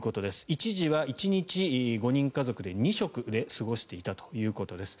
一時は１日５人家族、２食で過ごしていたということです。